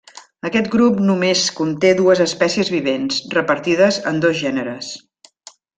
Aquest grup només conté dues espècies vivents, repartides en dos gèneres.